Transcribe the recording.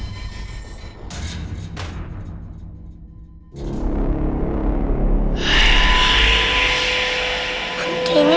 bagaimana itu bisa jadi seperti ini kak